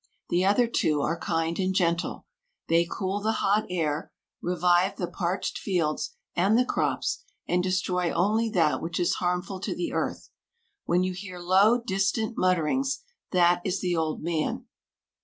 The other two are kind and gentle; they cool the hot air, revive the parched fields and the crops, and destroy only that which is harmful to the earth. When you hear low, distant mutterings, that is the old man.